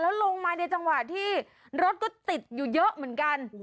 แล้วลงมาในจังหวะที่รถก็ติดอยู่เยอะเหมือนกัน